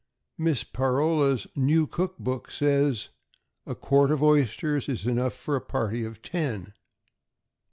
Miss Parloa's "New Cook Book" says, "a quart of oysters is enough for a party of ten" (p.